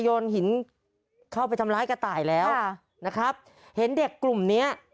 โยนหินเข้าไปทำร้ายกระต่ายแล้วค่ะนะครับเห็นเด็กกลุ่มเนี้ย